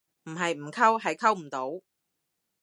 唔係唔溝，係溝唔到